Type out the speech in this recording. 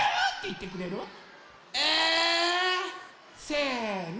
せの。